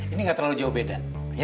ini gak terlalu jauh beda